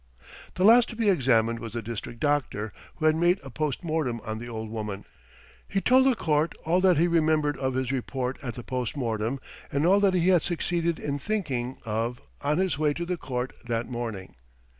The last to be examined was the district doctor who had made a post mortem on the old woman. He told the court all that he remembered of his report at the post mortem and all that he had succeeded in thinking of on his way to the court that morning.